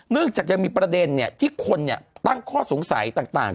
จากยังมีประเด็นที่คนตั้งข้อสงสัยต่าง